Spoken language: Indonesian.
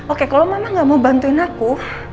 oke kalau mama gak mau bantuin aku